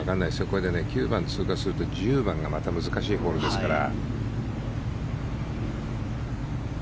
これで９番を通過すると１０番がまた難しいホールですから。